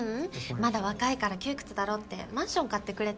まだ若いから窮屈だろうってマンション買ってくれて。